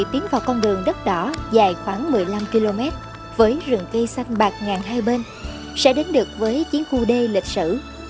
tiến vào con đường đất đỏ dài khoảng một mươi năm km với rừng cây xanh bạc ngàn hai bên sẽ đến được với chiến khu đê lịch sử